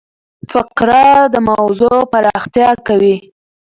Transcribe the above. فقره د موضوع پراختیا کوي.